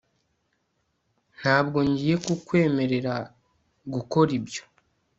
ntabwo ngiye kukwemerera gukora ibyo